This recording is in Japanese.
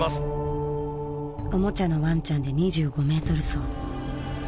おもちゃのワンちゃんで２５メートル走。